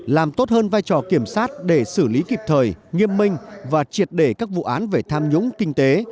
làm tốt hơn vai trò kiểm sát để xử lý kịp thời nghiêm minh và triệt để các vụ án về tham nhũng kinh tế